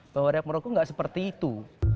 bahwa reak merokok tidak seperti itu